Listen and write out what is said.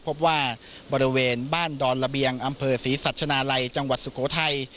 พบว่าบริเวณบ้านดอนระเบียงอำเภอศรีสัชนาลัยจังหวัดสุโขทัย